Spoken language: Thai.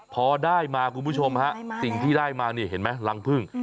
พอได้มาคุณผู้ชมฮะสิ่งที่ได้มานี่เห็นไหมรังพึ่ง